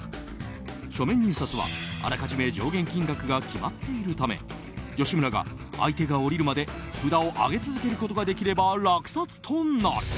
書面入札はあらかじめ上限金額が決まっているため吉村が相手が降りるまで札を上げ続けることができれば落札となる。